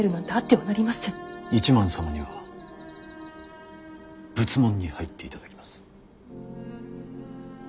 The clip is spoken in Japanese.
一幡様には仏門に入っていただきます。